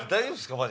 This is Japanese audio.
マジ。